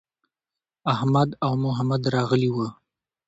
احمد او محمد راغلي وو.